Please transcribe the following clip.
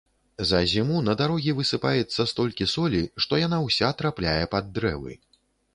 За зіму на дарогі высыпаецца столькі солі, што яна ўся трапляе пад дрэвы.